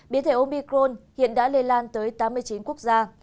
biến thể omicron hiện đã lây lan tới tám mươi chín quốc gia